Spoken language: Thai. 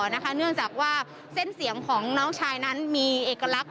เนื่องจากว่าเส้นเสียงของน้องชายนั้นมีเอกลักษณ